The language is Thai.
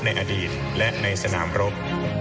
ในอดีตและในสนามรบ